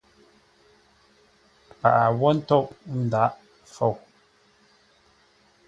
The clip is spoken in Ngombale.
Paghʼə wó ntôʼ, ndǎghʼ fou.